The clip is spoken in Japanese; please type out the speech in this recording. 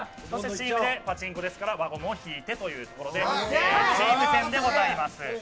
パチンコですから輪ゴムを引いて、というところでチーム戦でございます。